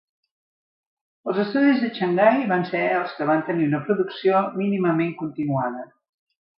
Els estudis de Xangai van ser els que va tenir una producció mínimament continuada.